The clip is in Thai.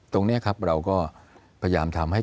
ตรงนี้ครับเราก็พยายามทำให้